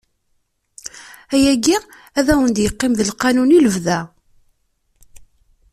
Ayagi ad wen-d-iqqim d lqanun i lebda.